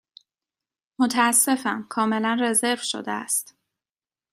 متأسفم، کاملا رزرو شده است.